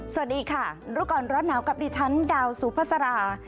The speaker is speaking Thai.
สวัสดีค่ะรูปกรรมรสนาวกับดิฉันดาวสูพสรา